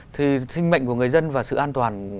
thì sinh mệnh của người dân và sự an toàn